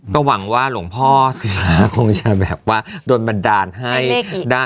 ก็หวังว่าหลวงพ่อศิลาคงจะแบบว่าโดนบันดาลให้ได้